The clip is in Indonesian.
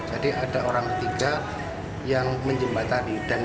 jadi ada orang ketiga yang menjembatani